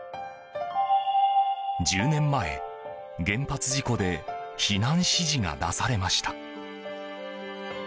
１０年前、原発事故で避難指示が出されました。